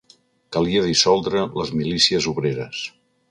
Calia dissoldre les milícies obreres